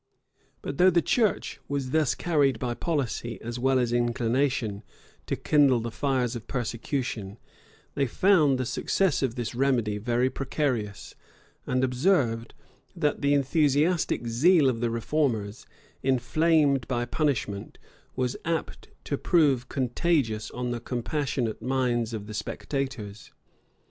But though the church was thus carried by policy, as well as inclination, to kindle the fires of persecution, they found the success of this remedy very precarious; and observed, that the enthusiastic zeal of the reformers, inflamed by punishment, was apt to prove contagious on the compassionate minds of the spectators.